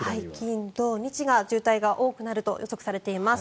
金土日が渋滞が多くなると予想されています。